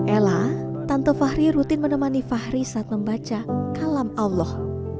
ella tante fahri rutin menemani fahri saat membaca kalam allah